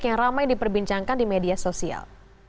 yang ramai diperbincangkan di media sosial